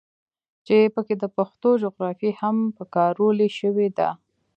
چې پکښې د پښتنو جغرافيه هم پکارولے شوې ده.